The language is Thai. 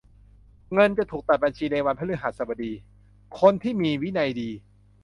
เงินจะถูกตัดบัญชีในวันพฤหัสบดี คนที่มีวินัยดี